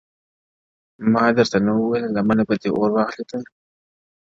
ما درته نه ويل لمنه به دي اور واخلي ته _